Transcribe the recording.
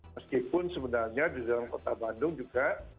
meskipun sebenarnya di dalam kota bandung juga